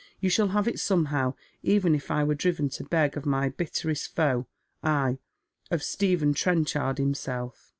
You shall have it somehow, even if I were driven to beg of my bitterest foe, ay, of Stephen Trenchard himself."